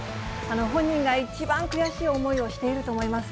本人が一番悔しい思いをしていると思います。